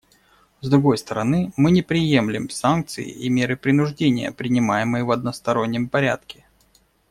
С другой стороны, мы не приемлем санкции и меры принуждения, принимаемые в одностороннем порядке.